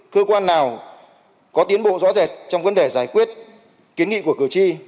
cơ quan nào có tiến bộ rõ rệt trong vấn đề giải quyết kiến nghị của cử tri